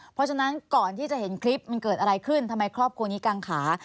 เพราะฉะนั้นก่อนที่จะเห็นคลิปมันเกิดอะไรขึ้นทำไมครอบครัวนี้กังขา